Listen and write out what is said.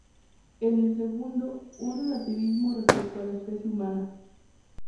En el segundo, un relativismo respecto a la especie humana.